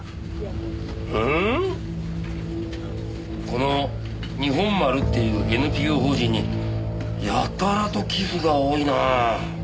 この日本丸っていうＮＰＯ法人にやたらと寄付が多いな。